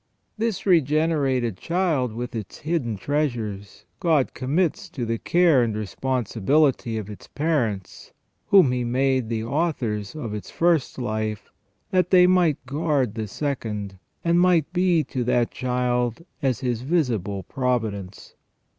This regenerated child, with its hidden treasures, God commits 378 FROM THE BEGINNING TO THE END OF MAN to the care and responsibility of its parents, whom He made the authors of its first life, that they might guard the second, and might be to that child as His visible providence.